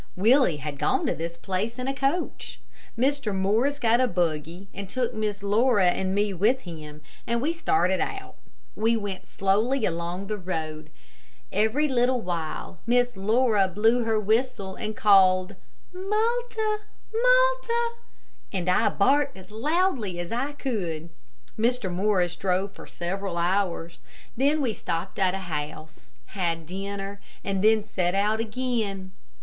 Willie had gone to this place in a coach. Mr. Morris got a buggy and took Miss Laura and me with him, and we started out. We went slowly along the road. Every little while Miss Laura blew her whistle, and called, "Malta, Malta," and I barked as loudly as I could. Mr. Morris drove for several hours, then we stopped at a house, had dinner, and then set out again.